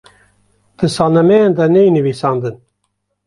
di salnemeyan de neyê nivisandin